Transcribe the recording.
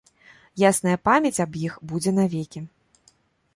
Ясная памяць аб іх будзе навекі!